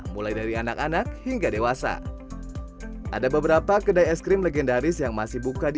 mulai dari anak anak hingga dewasa ada beberapa kedai es krim legendaris yang masih buka di